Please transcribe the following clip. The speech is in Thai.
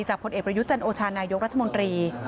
จากผลเอชัชนโอชานายโยกรัฐมนตรี